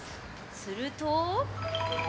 すると。